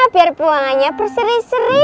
biar buangannya perseri seri